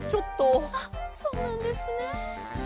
あっそうなんですね。